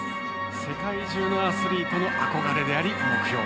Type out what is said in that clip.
世界中のアスリートの憧れであり、目標。